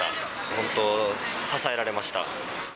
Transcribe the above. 本当に支えられました。